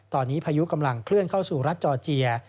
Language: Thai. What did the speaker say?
ตอนนี้พายุกำลังเคลื่อนเข้าสู่รัฐจอร์เจีย